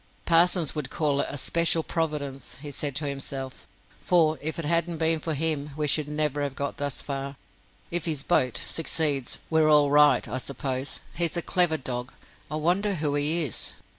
"Parsons would call it 'a special providence,'" he said to himself. "For if it hadn't been for him, we should never have got thus far. If his 'boat' succeeds, we're all right, I suppose. He's a clever dog. I wonder who he is."